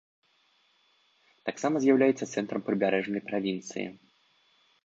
Таксама з'яўляецца цэнтрам прыбярэжнай правінцыі.